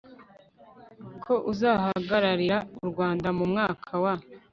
ko uzahagararira u rwanda mu mwaka wa